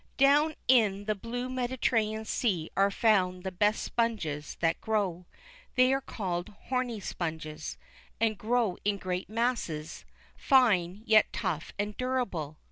Down in the blue Mediterranean Sea are found the best sponges that grow. They are called "horny sponges," and grow in great masses, fine, yet tough and durable.